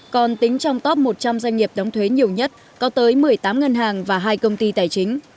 còn tính trong top một trăm linh doanh nghiệp đóng thuế nhiều nhất có tới một mươi tám ngân hàng và hai công ty tài chính